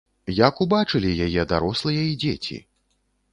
Як убачылі яе дарослыя і дзеці?